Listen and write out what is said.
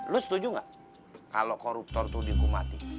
lo setuju gak kalau koruptor tuh dihukum mati